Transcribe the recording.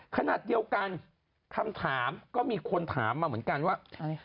ขณะเดียวกันคำถามก็มีคนถามมาเหมือนกันว่า